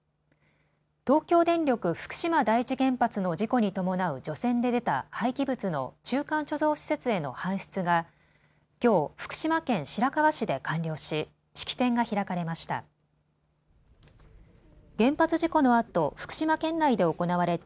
東京電力福島第一原発の事故に伴う除染で出た廃棄物の中間貯蔵施設への搬出がきょう福島県白河市で完了し式典が開かれました。